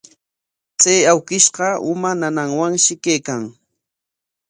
Chay awkishqa uma nanaywanshi kaykan.